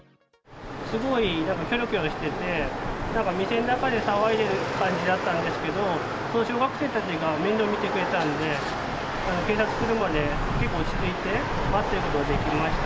すごいなんかきょろきょろしてて、なんか店の中で騒いでいる感じだったんですけど、その小学生たちが面倒見てくれたんで、警察来るまで結構落ち着いて待ってることができました。